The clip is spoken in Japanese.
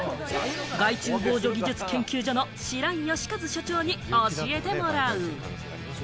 害虫防除技術研究所の白井良和所長に教えてもらう。